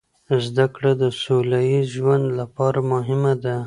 زده کړه د سوله ییز ژوند لپاره مهمه ده.